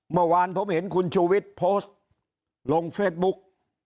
เมื่อวานผมเห็นคุณชูวิทย์โพสต์ลงเฟซบุ๊ก